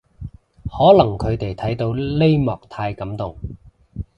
可能佢哋睇到呢幕太感動